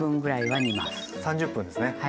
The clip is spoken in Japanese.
３０分ですね。